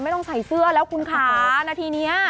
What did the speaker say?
ไม่ต้องใส่เสื้อแล้วคุณค่ะนาทีนี้